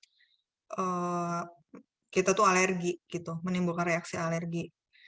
misalnya kita itu alergi menimbulkan reaksi alergi